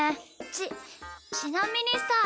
ちちなみにさ